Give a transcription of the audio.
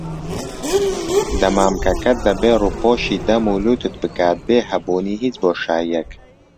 دەمامکەکە دەبێت ڕووپۆشی دەم و لوتت بکات بێ هەبوونی هیچ بۆشاییەک.